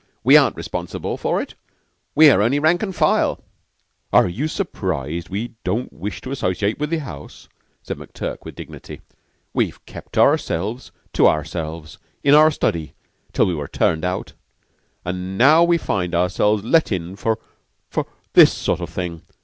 We aren't responsible for it. We're only the rank and file." "Are you surprised we don't wish to associate with the house?" said McTurk, with dignity. "We've kept ourselves to ourselves in our study till we were turned out, and now we find ourselves let in for for this sort of thing.